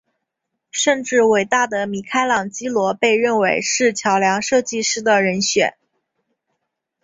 甚至伟大的米开朗基罗被认为是桥梁设计师的人选。